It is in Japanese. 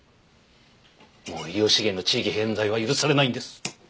もう医療資源の地域偏在は許されないんです。